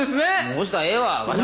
そしたらええわ。